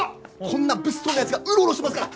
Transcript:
こんな物騒なやつがうろうろしてますから。